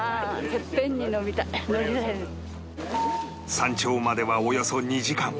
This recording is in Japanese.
山頂まではおよそ２時間